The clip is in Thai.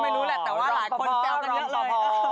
ไม่รู้แหละแต่ว่าหลายคนแซวกันเยอะเลย